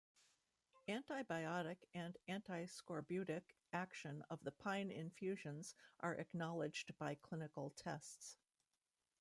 Anti-biotic and anti-scorbutic action of the pine infusions are acknowledged by clinical tests.